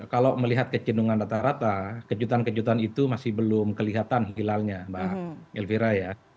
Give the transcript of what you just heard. kalau melihat kecendungan rata rata kejutan kejutan itu masih belum kelihatan hilalnya mbak elvira ya